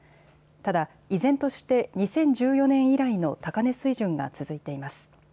ただ、依然として２０１４年以来の高値水準が続いています。